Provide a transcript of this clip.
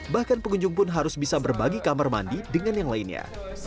bahkan pengunjung pun harus bisa berbagi kamar mandi dengan yang lainnya